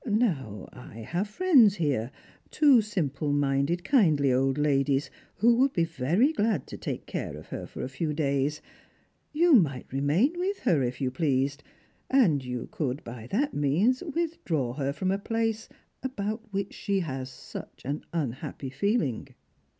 Now, I have friends here ; two simple minded kindly old ladies who would be very glad to take charge of her for a few days. You might remain with her, if you pleased ; and you could by that means withdraw her from a place about which she has such an unhappy feeling."